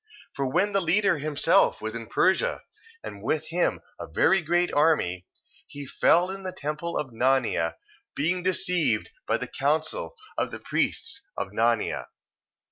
1:13. For when the leader himself was in Persia, and with him a very great army, he fell in the temple of Nanea, being deceived by the counsel of the priests of Nanea.